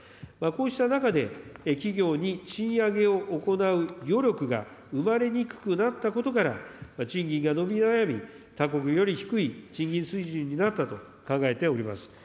こうした中で、企業に賃上げを行う余力が生まれにくくなったことから、賃金が伸び悩み、他国より低い賃金水準になったと考えております。